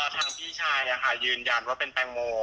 ทางพี่ชายยืนยันว่าเป็นแตงโม